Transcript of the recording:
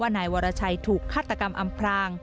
นายวรชัยถูกฆาตกรรมอำพราง